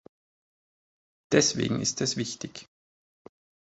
Deswegen ist es wichtig.